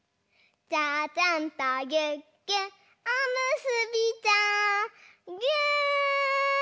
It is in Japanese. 「ちゃちゃんとぎゅっぎゅっおむすびちゃん」ぎゅ！